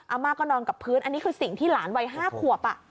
อาม่าก็นอนกับพื้นอันนี้คือสิ่งที่หลานวัย๕ขวบ